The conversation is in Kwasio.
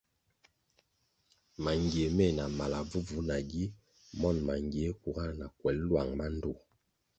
Mangie meh na mala bvubvu nagi monʼ mangie kuga na kwel lwang mandtoh.